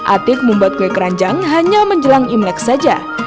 atik membuat kue keranjang hanya menjelang imlek saja